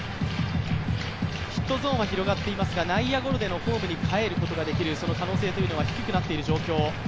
ヒットゾーンは広がっていますが、内野ゴロでホームに帰る、その可能性というのは低くなっている状況。